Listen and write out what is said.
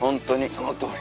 そのとおり。